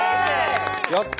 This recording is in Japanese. やった！